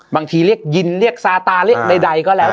บางทีเรียกยินเรียกซาตาเรียกใดก็แล้ว